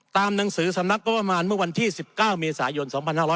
หนังสือสำนักงบประมาณเมื่อวันที่๑๙เมษายน๒๕๖๐